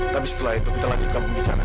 tapi setelah itu kita lanjutkan pembicaraan